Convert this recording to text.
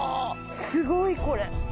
すごいこれ。